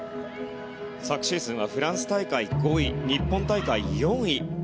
昨シーズンはフランス大会、５位日本大会、４位。